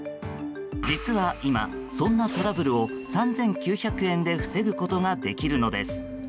実は今、そんなトラブルを３９００円で防ぐことができるのです。